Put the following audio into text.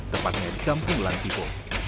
tepatnya di kampung lantipo